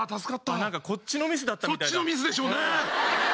そっちのミスでしょうね。